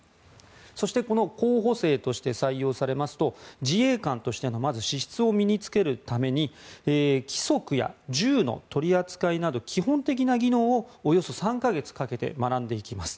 そしてこの候補生として採用されますと自衛官としてのまずは資質を身に着けるために規則や銃の取り扱いなど基本的な技能をおよそ３か月かけて学んでいきます。